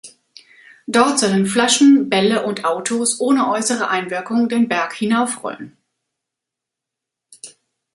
Dort sollen Flaschen, Bälle und Autos ohne äußere Einwirkung den Berg hinauf rollen.